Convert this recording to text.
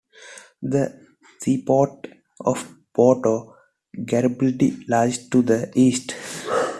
The seaport of Porto Garibaldi lies to the east.